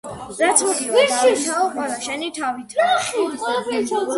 რაც მოგივა დავითაო, ყველა შენი თავითაო.